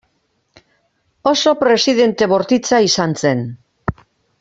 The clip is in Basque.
Oso presidente bortitza izan zen.